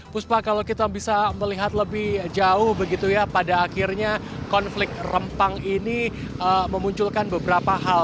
puspa kalau kita bisa melihat lebih jauh begitu ya pada akhirnya konflik rempang ini memunculkan beberapa hal